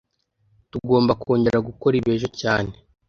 Tugomba kongera gukora ibi ejo cyane